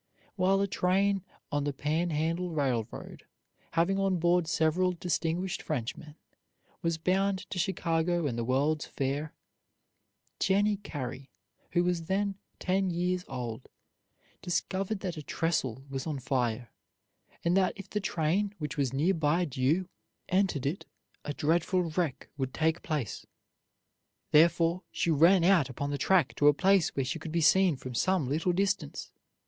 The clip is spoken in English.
While a train on the Pan Handle Railroad, having on board several distinguished Frenchmen, was bound to Chicago and the World's Fair, Jennie Carey, who was then ten years old, discovered that a trestle was on fire, and that if the train, which was nearly due, entered it a dreadful wreck would take place. Thereupon she ran out upon the track to a place where she could be seen from some little distance.